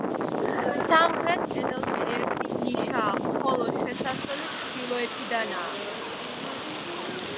სამხრეთ კედელში ერთი ნიშაა, ხოლო შესასვლელი ჩრდილოეთიდანაა.